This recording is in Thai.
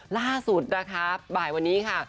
ล่าสุดนะคะบ่ายวันนี้ค่ะ